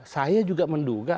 saya juga menduga